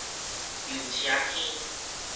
油車坑